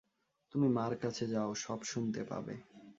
তুমি মার কাছে যাও, সব শুনতে পাবে।